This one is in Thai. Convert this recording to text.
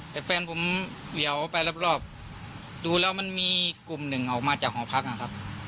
แต่แฟนผมเหวียวไปรอบดูแล้วมันมีกลุ่มหนึ่งออกมาจากหอพักนะครับ